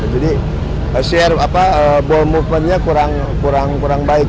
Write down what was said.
jadi ball movement nya kurang baik